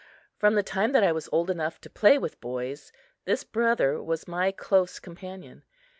From the time that I was old enough to play with boys, this brother was my close companion.